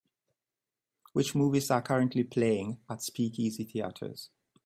Which movies are currently playing at Speakeasy Theaters